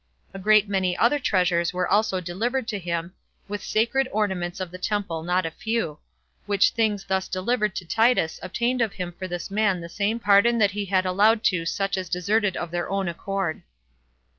A great many other treasures were also delivered to him, with sacred ornaments of the temple not a few; which things thus delivered to Titus obtained of him for this man the same pardon that he had allowed to such as deserted of their own accord.